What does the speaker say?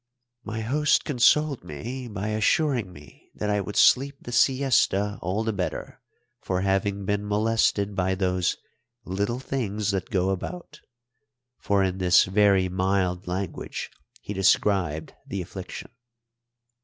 My host consoled me by assuring me that I would sleep the siesta all the better for having been molested by those "little things that go about," for in this very mild language he described the affliction.